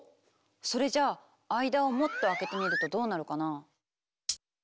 それじゃあ間をもっと空けてみるとどうなるかな？